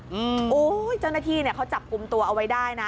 โอ้โหเจ้าหน้าที่เนี่ยเขาจับกลุ่มตัวเอาไว้ได้นะ